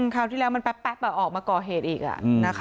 คราวที่แรกมันแป๊บแป๊บอ่ะออกมาก่อเหตุอีกอ่ะอืม